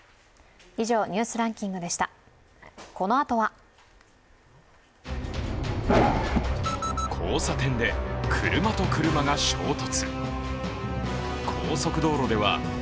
このあとは交差点で車と車が衝突。